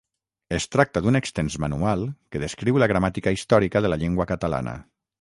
Es tracta d'un extens manual que descriu la gramàtica històrica de la llengua catalana.